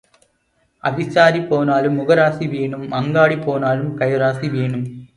அவிசாரி போனாலும் முகராசி வேணும் அங்காடி போனாலும் கைராசி வேணும்.